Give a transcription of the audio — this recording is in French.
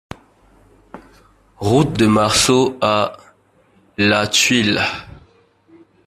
Route de Marceau à Lathuile